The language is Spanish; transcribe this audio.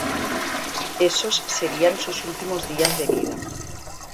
Esos serían sus últimos días de vida.